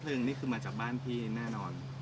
ต้นเพลิงนี่คือมาจากบ้านพี่แน่นอน